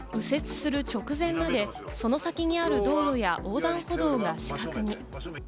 右折する直前まで、その先にある道路や横断歩道は死角に。